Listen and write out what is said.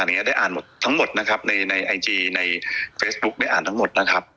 อันนี้ได้อ่านหมดทั้งหมดนะครับในในไอจีในเฟซบุ๊คได้อ่านทั้งหมดนะครับ